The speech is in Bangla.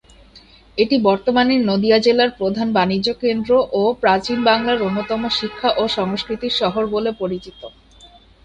এটি বর্তমানে নদিয়া জেলার প্রধান বাণিজ্যকেন্দ্র ও প্রাচীন বাংলার অন্যতম শিক্ষা ও সংস্কৃতির শহর বলে পরিচিত।